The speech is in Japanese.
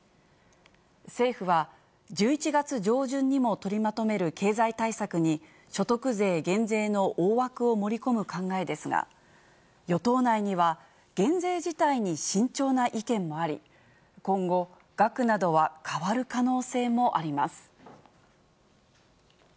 政府は、１１月上旬にも取りまとめる経済対策に、所得税減税の大枠を盛り込む考えですが、与党内には減税自体に慎重な意見もあり、今後、額などは変わる可能性もあります。